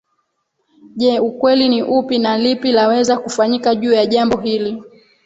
Je ukweli ni upi na lipi laweza kufanyika juu ya jambo hili